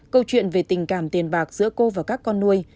câu chuyện về tình cảm tiền bạc giữa cô và các con nuôi